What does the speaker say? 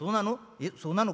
そうなの？